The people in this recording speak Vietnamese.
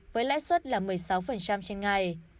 với lãi suất là một mươi sáu trên ngày